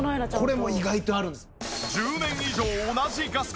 これも意外とあるんです。